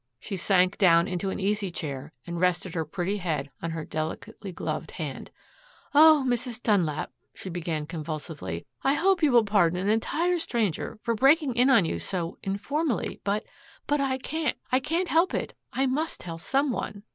She sank down into an easy chair and rested her pretty head on her delicately gloved hand. "Oh, Mrs. Dunlap," she began convulsively, "I hope you will pardon an entire stranger for breaking in on you so informally but but I can't I can't help it. I must tell some one."